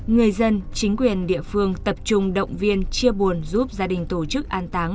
người dân chính quyền địa phương tập trung động viên chia buồn giúp gia đình tổ chức an táng